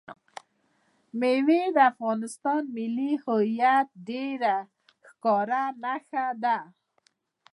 مېوې د افغانستان د ملي هویت یوه ډېره ښکاره نښه ده.